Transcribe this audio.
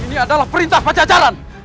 ini adalah perintah pajajaran